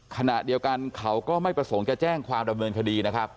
ขณะเดียวกันเขาก็ไม่ประสงค์จะแจ้งความดำเนินคดีนะครับ